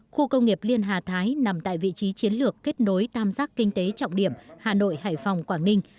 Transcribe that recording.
khu công nghiệp liên hà thái nằm tại vị trí chiến lược kết nối tam giác kinh tế trọng điểm hà nội hải phòng quảng ninh